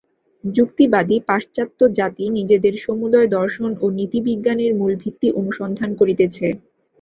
যুক্তিবাদী পাশ্চাত্যজাতি নিজেদের সমুদয় দর্শন ও নীতিবিজ্ঞানের মূলভিত্তি অনুসন্ধান করিতেছে।